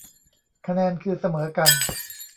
คะแนนคือเสมอกัน